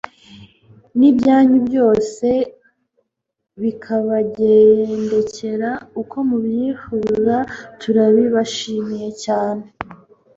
n'ibyanyu byose bikabagendekera uko mubyifuza, turabibashimiye cyane